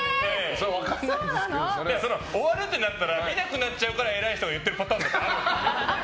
そりゃ終わるってなったら見なくなっちゃうから偉い人が言ってるパターンがあるから。